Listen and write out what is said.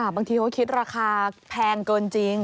บางทีเขาคิดราคาแพงเกินจริง